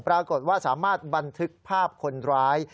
ปรากฏว่าสามารถบันทึกภาพคนร้าย